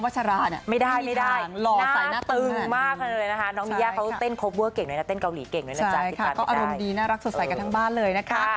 ใช่ค่ะเค้าอารมณ์ดีน่ารักสดใสกันทั้งบ้านเลยนะคะ